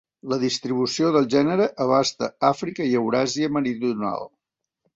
La distribució del gènere abasta Àfrica i Euràsia meridional.